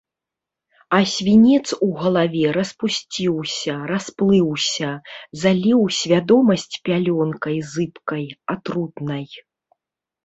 А свінец у галаве распусціўся, расплыўся, заліў свядомасць пялёнкай зыбкай, атрутнай.